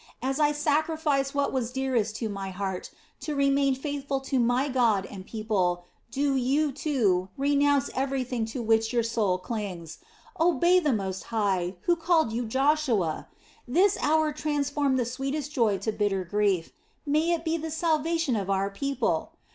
As I sacrificed what was dearest to my heart to remain faithful to my God and people, do you, too, renounce everything to which your soul clings. Obey the Most High, who called you Joshua! This hour transformed the sweetest joy to bitter grief; may it be the salvation of our people!